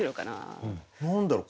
何だろう？